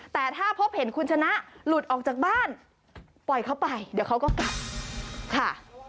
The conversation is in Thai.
แต่ถ้าพบเห็นคุณชนะหลุดออกจากบ้านปล่อยเขาไปเดี๋ยวเขาก็กลับค่ะ